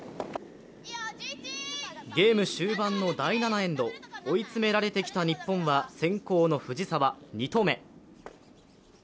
ゲーム終盤の第７エンド、追い詰められてきた日本は先攻の藤澤２投目。